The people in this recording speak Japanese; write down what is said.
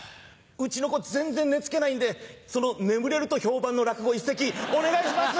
うちの子全然寝付けないんでその眠れると評判の落語を一席お願いします！